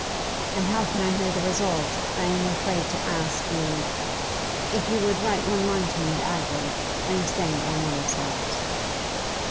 'And how can I hear the result? I am afraid to ask you if you would write one line to me at Agworth? I am staying at my mother's house.